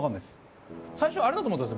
最初あれだと思ったんですよ